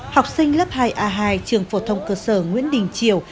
học sinh lớp hai a hai trường phổ thông cơ sở nguyễn đình triều